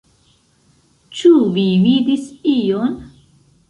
Ĉu vi vidis ion?